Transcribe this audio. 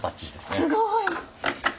すごい！